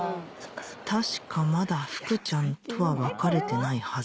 確かまだ福ちゃんとは別れてないはず